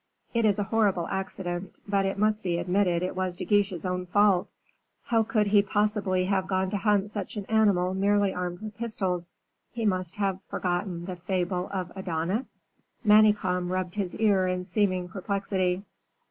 "It is a horrible accident, but it must be admitted it was De Guiche's own fault. How could he possibly have gone to hunt such an animal merely armed with pistols; he must have forgotten the fable of Adonis?" Manicamp rubbed his ear in seeming perplexity.